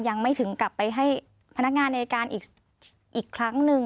ยังไม่ถึงกลับไปให้พนักงานในการอีกครั้งหนึ่ง